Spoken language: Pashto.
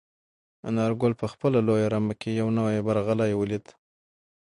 انارګل په خپله لویه رمه کې یو نوی برغلی ولید.